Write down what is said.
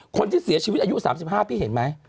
คนที่เสียชีวิตอายุ๓๕พี่เห็นไหม